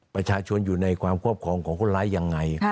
ประชาชนอยู่ในความครอบครองของคนร้ายยังไง